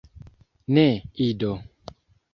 Ne, Ido!